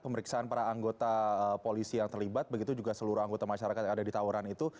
pemeriksaan para anggota polisi yang terlibat begitu juga seluruh anggota masyarakat yang ada di tawuran itu